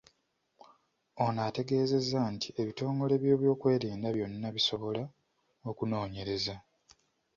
Ono ategeezezza nti ebitongole by’ebyokwerinda byonna bisobola okunoonyereza.